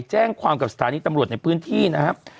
แจ้งความกับสถานีตำรวจในพื้นที่นะครับ